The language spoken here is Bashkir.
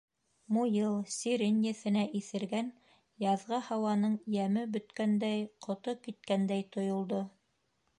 Муйыл, сирень еҫенә иҫергән яҙғы һауаның йәме бөткәндәй, ҡото киткәндәй тойолдо.